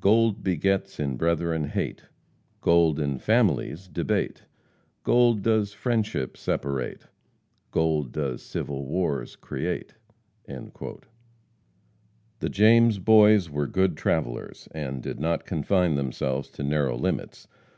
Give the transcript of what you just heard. "Gold begets in brethren hate; Gold, in families, debate; Gold does friendship separate; Gold does civil wars create." The James Boys were good travelers, and did not confine themselves to narrow limits.